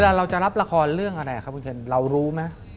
เราจะรับละครเรื่องอะไรครับคุณเคนเรารู้ไหม